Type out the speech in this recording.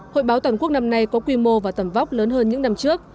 hội báo toàn quốc năm nay có quy mô và tầm vóc lớn hơn những năm trước